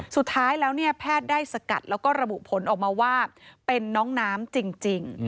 สุดท้ายแล้วเนี่ยแพทย์ได้สกัดแล้วก็ระบุผลออกมาว่าเป็นน้องน้ำจริง